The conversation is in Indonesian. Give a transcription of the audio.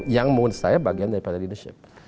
yang mengunstahkan bagian daripada leadership